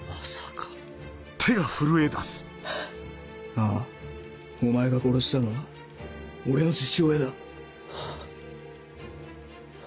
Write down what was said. ああお前が殺したのは俺の父親だ。